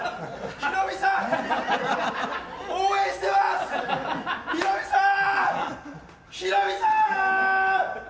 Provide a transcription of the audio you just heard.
ヒロミさん、ヒロミさん！